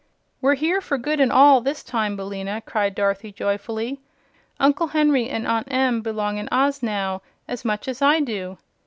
"We're here for good and all, this time, Billina," cried Dorothy, joyfully. "Uncle Henry and Aunt Em belong to Oz now as much as I do!"